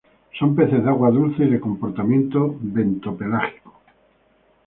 Son peces de agua dulce y de comportamiento bentopelágico.